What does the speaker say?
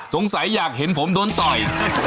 สงสัยอยากเห็นผมโดนต่อย